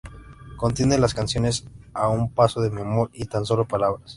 Contiene las canciones "A un paso de mi amor" y "Tan solo palabras".